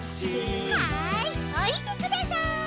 はいおりてください。